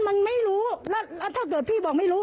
มันไม่รู้แล้วถ้าเกิดพี่บอกไม่รู้